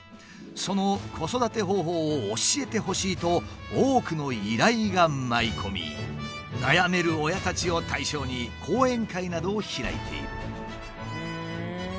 その子育て方法を教えてほしいと多くの依頼が舞い込み悩める親たちを対象に講演会などを開いている。